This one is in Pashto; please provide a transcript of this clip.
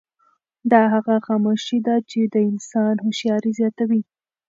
دا هغه خاموشي ده چې د انسان هوښیاري زیاتوي.